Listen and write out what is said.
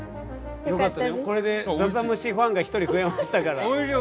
これでざざむしファンが１人増えましたから。